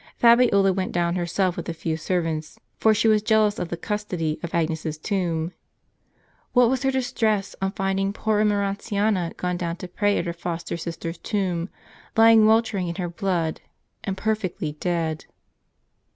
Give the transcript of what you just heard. Fabiola went down her self with a few servants, for she was jealous of the custody of Agnes' s tomb. What was her distress at finding poor Emer entiana gone down to pray at her foster sister's tomb, lying weltering in her blood, and perfectly dead.